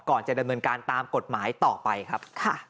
ก่อนจะดำเนินการตามกฎหมายต่อไปครับ